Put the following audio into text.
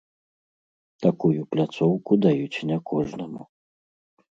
Такую пляцоўку даюць не кожнаму.